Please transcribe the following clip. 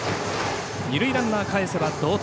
二塁ランナーかえせば同点。